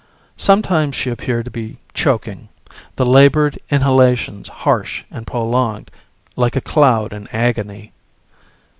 Sometimes she appeared to be choking, the labored inhalations harsh and prolonged, like a cloud in agony.